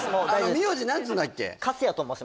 名字何ていうんだっけ？